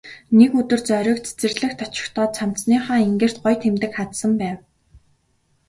Нэг өдөр Зориг цэцэрлэгт очихдоо цамцныхаа энгэрт гоё тэмдэг хадсан байв.